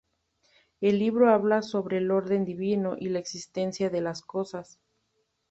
El libro habla sobre el orden divino y la existencia de las cosas.